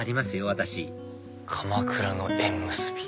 私「鎌倉の縁結び」。